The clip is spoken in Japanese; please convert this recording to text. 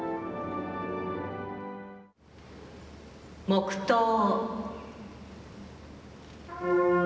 黙とう。